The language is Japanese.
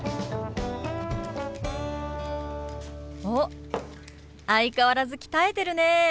おっ相変わらず鍛えてるね！